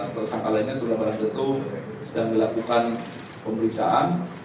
terus sekali lagi tuan rambang jatuh sedang melakukan pemeriksaan